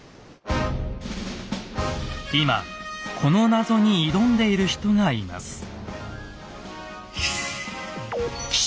今この謎に挑んでいる人がいます。